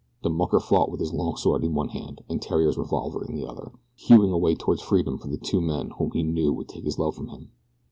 The mucker fought with his long sword in one hand and Theriere's revolver in the other hewing a way toward freedom for the two men whom he knew would take his love from him.